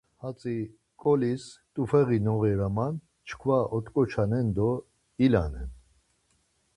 Hatzi ǩolis t̆ufeği noğiraman çkva ot̆ǩoçanen do ilanen.